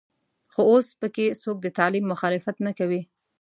خو اوس په کې څوک د تعلیم مخالفت نه کوي.